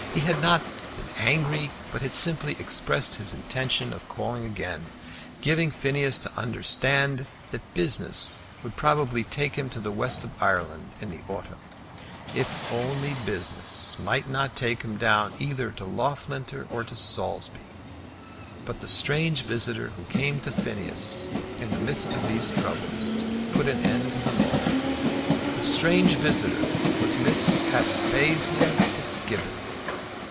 He had not been angry, but had simply expressed his intention of calling again, giving Phineas to understand that business would probably take him to the west of Ireland in the autumn. If only business might not take him down either to Loughlinter or to Saulsby! But the strange visitor who came to Phineas in the midst of these troubles put an end to them all. The strange visitor was Miss Aspasia Fitzgibbon.